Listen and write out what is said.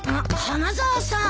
花沢さん。